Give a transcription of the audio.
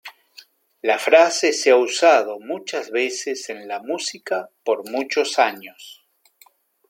La frase se ha usado muchas veces en la música por muchos años.